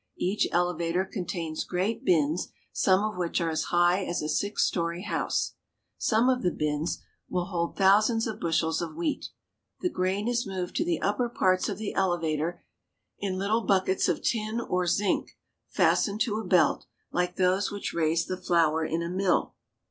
Each elevator contains great bins, some of which are as high as a six story house. Some of the bins will Elevators — Chicago. bold thousands of bushels of wheat The grain is moved to the upper parts of the elevator in little buckets of tin or zinc, fastened to a belt, like those which raise the flour in a mill.